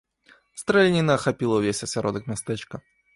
Страляніна ахапіла ўвесь асяродак мястэчка.